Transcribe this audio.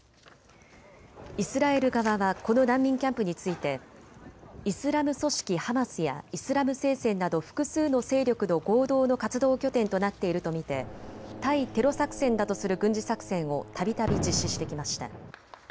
イスラエル側はこの難民キャンプについてイスラム組織ハマスやイスラム聖戦など複数の勢力の合同の活動拠点となっていると見て対テロ作戦だとする軍事作戦をたびたび実施してきました。